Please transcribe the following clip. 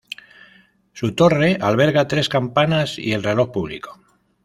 Su torre alberga tres campanas y el reloj público.